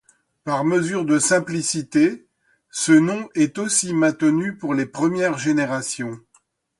Par mesure de simplicité, ce nom est aussi maintenu pour les premières genérations.